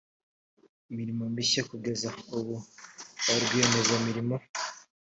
imirimo mishya kugeza ubu ba rwiyemezamirimo